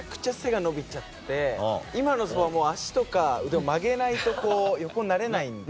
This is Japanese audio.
今のソファはもう足とか腕を曲げないとこう横になれないんで。